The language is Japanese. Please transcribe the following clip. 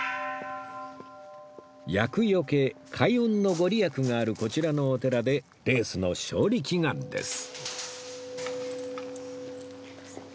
厄除け開運の御利益があるこちらのお寺でレースの勝利祈願です